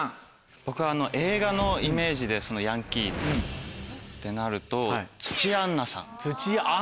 僕映画のイメージでヤンキーってなると土屋アンナさん。